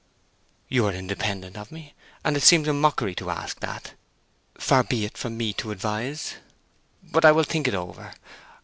"You are independent of me, and it seems a mockery to ask that. Far be it from me to advise. But I will think it over.